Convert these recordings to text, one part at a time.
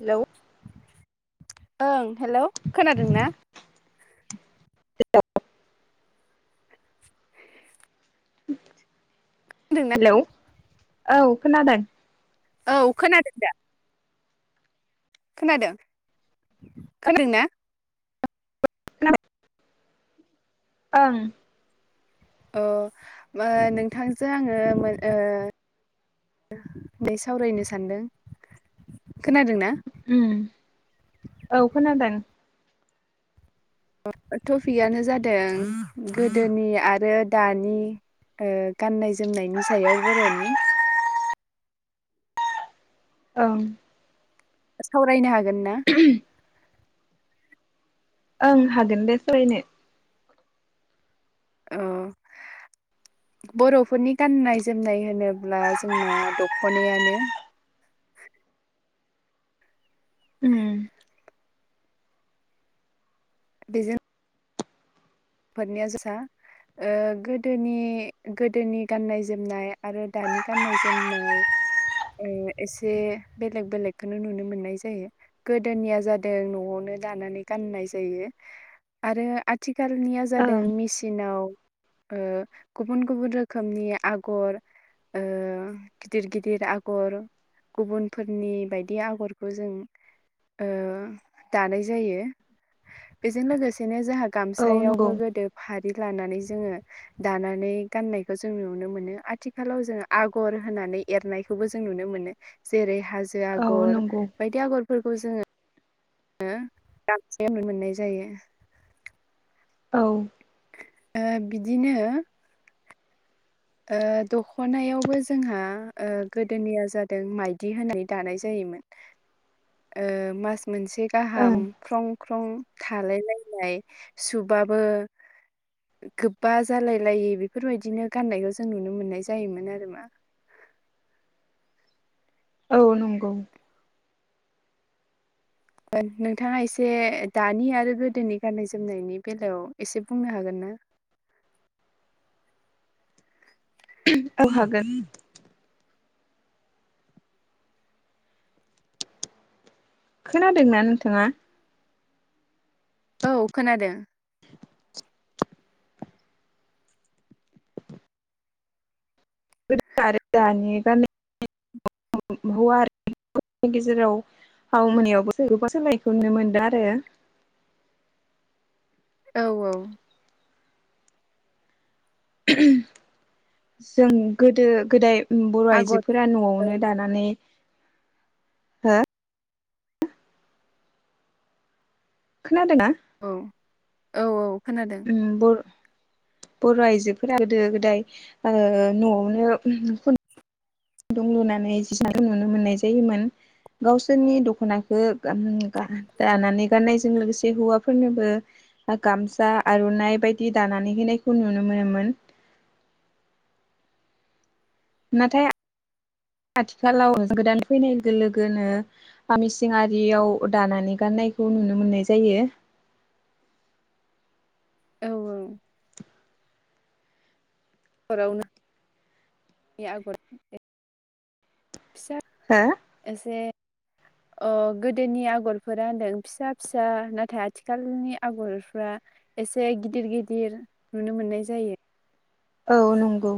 Hello ओं hello खोनादों ना। आंथ खोनादों ना हेलौ औ खोनादों। औ खोनादों दा। खोनादों खोनादों ना? ओं अ नोंथांजों आङो। नै सावरायनो सानदों खोनादोंना? औ खोनादों टपिकआनो जादों गोदोनि आरो दानि गाननाय जोमनायनि सायाव बर'नि ओं। सावरायनो हागोन ना [inaudible] ओं हागोन दे सोलायनो औ। बर'फोरनि गाननाय जोमनाय होनोब्ला जोंना दख'नायानो। उम जिजाइन फोरनिया जोसा गोदोनि गोदोनि गाननाय जोमनाय आरो दानि गाननाय जोमनाय। एसे बेलेग बेलेगखौनो नुनो मोननाय जायो गोदोनिया जादों न'आवनो दानानै गाननाय जायो आरो आथिखाल आलनिया जादों ओं मेसिनाव गुबुन गुबुन रोखोमनि आगर गिदिर गिदिर आगर। गुबुनफोरनि बायदि आगरखौ जों दानाय जायो बेजों लोगोसेनो जोंहा गाम औ फिथायायावबो नंगौ गोदो फारि लानानै जोङो। दानानै गाननायखौ जों नुनो मोनो आथिखालाव जों आगर होनानै एरनायखौबो जों नुनो मोनो। जेरै हाजो औ आगर नंगौ बायदि आगरफोरखौ जोङो। हो दामसेयावनो मोननाय जायो। औ। बिदिनो। दख'नायावबो जोंहा गोदोनिया जादों माइदि होननानै दानाय जायोमोन। मास मोनसे गाहाम ओं ख्रं ख्रं थालाय लायलाय सुबाबो। गोबा जालाय लायि बेफोरबायदिनो गाननायखौ जों नुनो मोननाय जायोमोन आरो मा? औ नंगौ। नोंथाङा एसे दानि आरो गोदोनि गाननाय जोमनायनि बेलायाव एसे बुंनो हागोन ना। औ हागोन खोनादोंना नोंथाङा औ खोनादों। द नि गेजेराव ह मोनायावबोखौबा सोलायखौ नुनो मोनदों आरो। औ औ। जों गोदो गोदाय बर' आगर आइजोफोरा औ न'आवनो दानानै हो खोनादोंना औ औ औ खोनादों बर बर' आइजोफोरा गोदो गोदाय न'आवनो खुनदुं लुनानै जिखौ नुनो मोननाय जायोमोन गावसोरनि दख'नाखौ दानानै गाननायजों लोगोसे हौवाफोरनोबो गामसा आर'नाइ बायदि दानानै होनायखौ नुनो मोनोमोन नाथाय आथिखालाव गोदान फैनाय लोगो लोगोनो गामिआरियाव दानानै गाननायखौ नुनो मोननाय जायो औ औ हरावनो बे आगर फिसा हो एसे अ गोदोनि आगरफोरा होनदों फिसा फिसा नाथाय आथिखालनि आगरफ्रा एसे गिदिर गिदिर नुनो मोननाय जायो औ नंगौ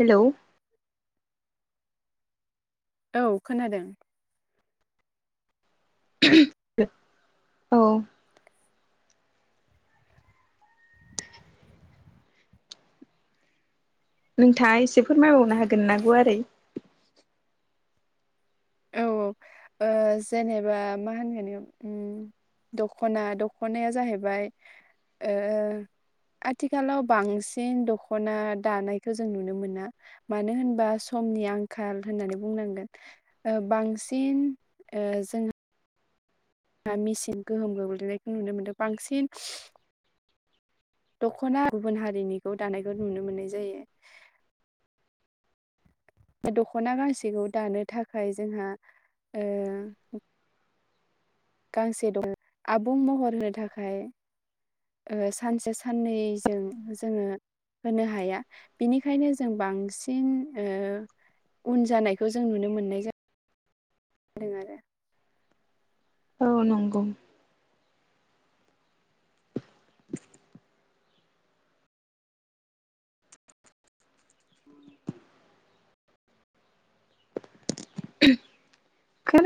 हेल' औ खोनादों औ नोंथाङा एसे फोरमायबावनो हागोन ना गुवारै औ औ जेनेबा मा होनगोन याव दख'ना दख'नाया जाहैबाय आथिखालाव बांसिन दख'ना दानायखौ जों नुनो मोना मानो होनबा समनि आंखाल होननानै बुंनांगोन बांसिन जों मेसिन गोहोम गोग्लैनायखौ नुनो मोनदों बांसिन दख'ना गुबुन हारिनिखौ दानायखौ नुनो मोननाय जायो दख'ना गांसेखौ दानो थाखाय जोंहा गांसे दं आबुं महर होनो थाखाय सानसे साननैजों जोङो होनो हाया बिनिखायनो जों बांसिन उन जानायखौ जों नुनो मोननाय जा दों आरो औ नंगौ [inaudible] खोन